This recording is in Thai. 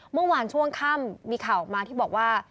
เมื่อวานช่วงค่ำมีข่าวออกมาที่บอกว่า